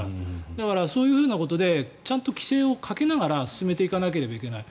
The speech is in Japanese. だから、そういうふうなことでちゃんと規制をかけながら進めていかなければいけない。